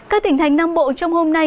các tỉnh thành nam bộ trong hôm nay